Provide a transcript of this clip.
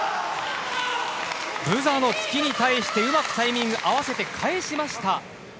ブザの突きに対してうまくタイミングを合わせて返しました。